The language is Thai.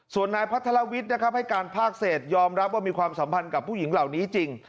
ส่วนนายพัทรวิทย์นะครับให้การภาคเศษยอมรับว่ามีความสัมพันธ์กับผู้หญิงเหล่านี้จริง